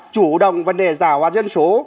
chủ động vấn đề giả hoạt dân số